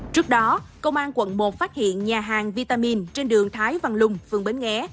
trước đó công an quận một phát hiện nhà hàng vitamin trên đường thái văn lung phường bến nghé